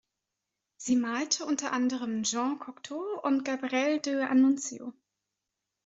Sie malte unter anderem Jean Cocteau und Gabriele D’Annunzio.